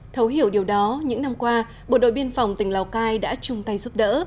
thấu hiểu điều đó những năm qua bộ đội biên phòng tỉnh lào cai đã chung tay giúp đỡ